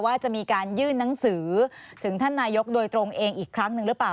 ว่าจะมีการยื่นหนังสือถึงท่านนายกโดยตรงเองอีกครั้งหนึ่งหรือเปล่า